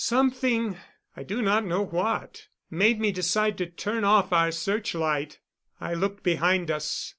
Something I do not know what made me decide to turn off our searchlight. I looked behind us.